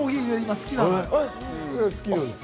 好きなんですよ。